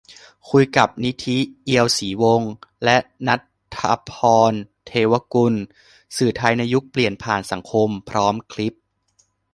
คุยกับ นิธิ เอียวศรีวงศ์ และ ณัฏฐภรณ์ เทวกุล "สื่อไทยในยุคเปลี่ยนผ่านสังคม" พร้อมคลิป